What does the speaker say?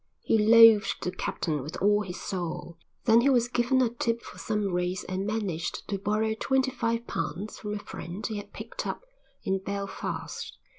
He loathed the captain with all his soul. Then he was given a tip for some race and managed to borrow twenty five pounds from a friend he had picked up in Belfast.